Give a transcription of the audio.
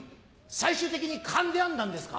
最終的に勘で編んだんですか？」。